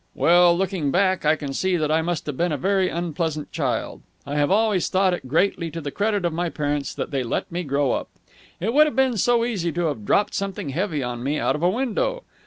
"Well, looking back, I can see that I must have been a very unpleasant child. I have always thought it greatly to the credit of my parents that they let me grow up. It would have been so easy to have dropped something heavy on me out of a window.